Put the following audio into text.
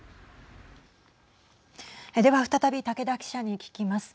では再び竹田記者に聞きます。